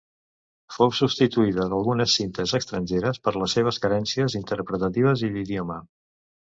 Fou substituïda d'algunes cintes estrangeres per les seves carències interpretatives i d'idioma.